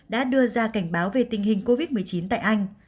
đã đưa ra cảnh báo về tình hình covid một mươi chín tại anh